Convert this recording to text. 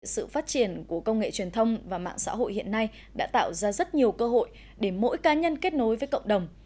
sự phát triển của công nghệ truyền thông và mạng xã hội hiện nay đã tạo ra rất nhiều cơ hội để mỗi cá nhân kết nối với cộng đồng